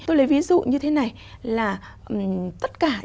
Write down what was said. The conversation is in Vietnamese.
tôi lấy ví dụ như thế này là tất cả